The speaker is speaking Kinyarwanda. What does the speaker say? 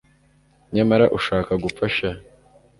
nyamara ushaka gupfa sha